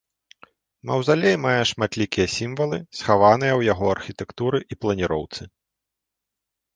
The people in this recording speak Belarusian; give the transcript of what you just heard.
Маўзалей мае шматлікія сімвалы, схаваныя ў яго архітэктуры і планіроўцы.